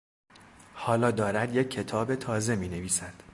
حالا دارد یک کتاب تازه می نویسد.